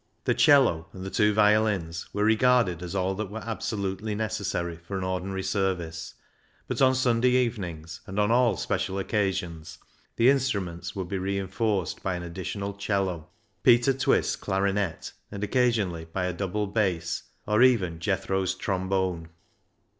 The " 'cello " and the two violins were regarded as all that were absolutely necessary for an ordinary service, but on Sunday evenings, and on all special occasions, the instruments would be reinforced by an additional " 'cello," Peter Twist's clarinet, and occasionally by a double bass, or even Jethro's trombone.